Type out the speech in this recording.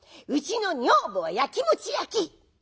「うちの女房はやきもち焼き」。